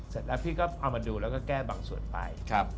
เสร็จแล้วพี่ก็เอามาดูแล้วก็แก้บางส่วนไป